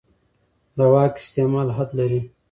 د واک استعمال حد لري